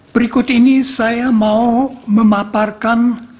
berikut ini saya mau memaparkan